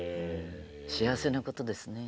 幸せなことですね。